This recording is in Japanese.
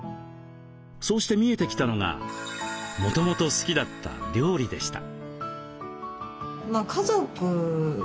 そうして見えてきたのがもともと好きだった料理でした。